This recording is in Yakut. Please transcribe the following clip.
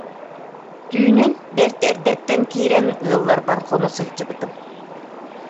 Түүнүн, бэрт эрдэттэн киирэн, ыалларбар хоно сылдьыбытым